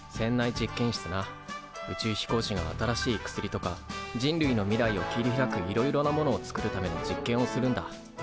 宇宙飛行士が新しい薬とか人類の未来を切り開くいろいろなものをつくるための実験をするんだ。